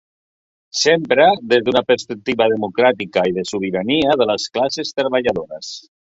Sempre des d'una perspectiva democràtica i de sobirania de les classes treballadores.